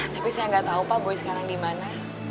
tapi saya nggak tahu pak boy sekarang di mana